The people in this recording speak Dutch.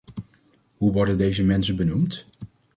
Hoe worden deze mensen benoemd?